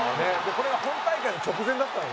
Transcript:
これが本大会の直前だった。